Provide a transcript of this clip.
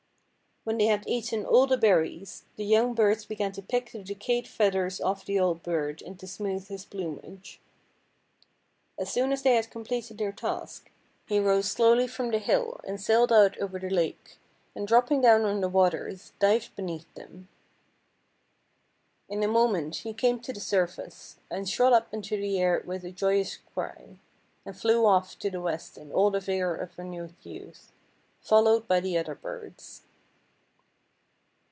When they had eaten all the berries, the young birds began to pick the decayed feathers off the old bird and to smooth his plumage. As soon as they had completed their task, he rose slowly PRINCESS AND DWARF 165 from the hill and sailed out over the lake, and dropping down on the waters, dived beneath them. In a moment he came to the surface, and shot up into the air with a joyous cry, and flew off to the west in all the vigor of renewed youth, followed by the other birds.